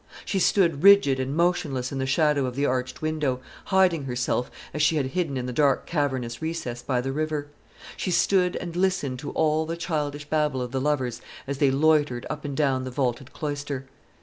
She stood rigid and motionless in the shadow of the arched window, hiding herself, as she had hidden in the dark cavernous recess by the river; she stood and listened to all the childish babble of the lovers as they loitered up and down the vaulted cloister.